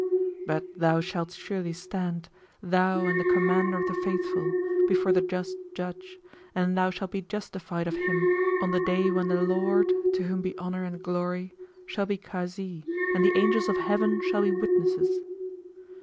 But thou shalt surely stand, thou and the Commander of the Faithful, before the Just Judge, and thou shalt be justified of him on the Day when the Lord (to whom be honour and glory!) shall be Kazi and the Angels of Heaven shall be witnesses!"